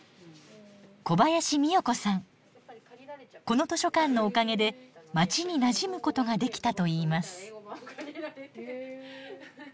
この図書館のおかげで街になじむことができたといいます。